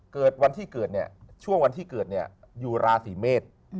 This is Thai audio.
เกิดวันที่เกิดช่วงวันที่เกิดอยู่ราศีเมตร